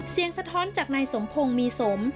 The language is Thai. สะท้อนจากนายสมพงศ์มีสม